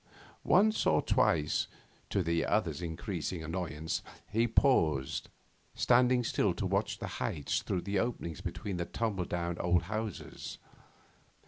Once or twice, to the other's increasing annoyance, he paused, standing still to watch the heights through openings between the tumble down old houses.